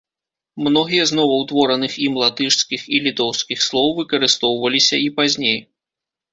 Многія з новаўтвораных ім латышскіх і літоўскіх слоў выкарыстоўваліся і пазней.